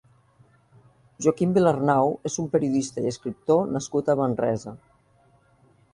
Joaquim Vilarnau és un periodista i escriptor nascut a Manresa.